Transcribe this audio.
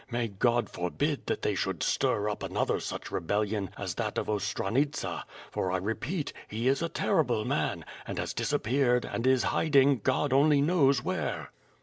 May God forbid that they should stir up another such rebellion as that of Ostranitsa; for I repeat, he is a terrible man, and has disappeared and is hiding, God only knows where.